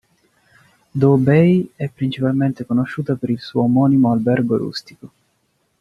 Doe Bay è principalmente conosciuta per il suo omonimo albergo rustico.